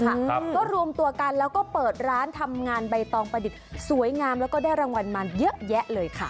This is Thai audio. ครับก็รวมตัวกันแล้วก็เปิดร้านทำงานใบตองประดิษฐ์สวยงามแล้วก็ได้รางวัลมาเยอะแยะเลยค่ะ